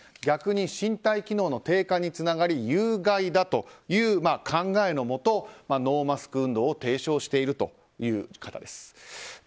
逆に身体機能の低下につながり有害だという考えのもと、ノーマスク運動を提唱しているという方です。